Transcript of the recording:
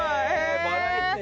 バラエティー。